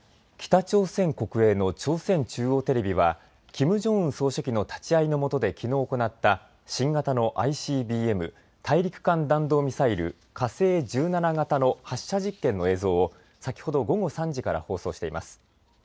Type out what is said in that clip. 北朝鮮国営の朝鮮中央テレビはキム・ジョンウン総書記の立ち会いのもとできのう行った新型のＩＣＢＭ・大陸間弾道ミサイル火星１７型の発射実験の映像を先ほど午後３時から放送しています。